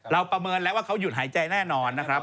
ประเมินแล้วว่าเขาหยุดหายใจแน่นอนนะครับ